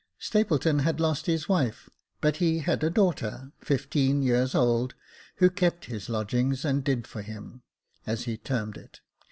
Stapleton had lost his wife ; but he had a daughter, fifteen years old, who kept his lodgings, and did for him, as he termed it.